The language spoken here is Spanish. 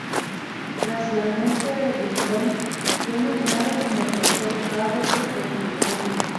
Tras la muerte de Rincón, fue nombrado como tercer párroco el Pbro.